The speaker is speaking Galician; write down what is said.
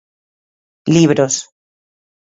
Libros.